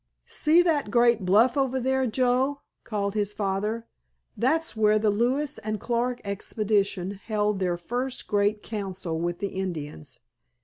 "See that great bluff over there, Joe?" called his father. "That's where the Lewis and Clark Expedition held their first great council with the Indians.